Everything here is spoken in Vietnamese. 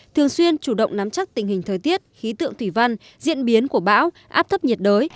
thường xuyên chủ động nắm chắc tình hình thời tiết khí tượng thủy văn diễn biến của bão áp thấp nhiệt đới